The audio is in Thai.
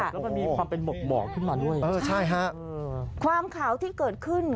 แล้วมันมีความเป็นหมอกหมอกขึ้นมาด้วยเออใช่ฮะความขาวที่เกิดขึ้น